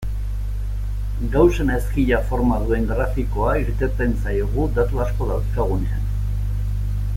Gaussen ezkila forma duen grafikoa irteten zaigu datu asko dauzkagunean.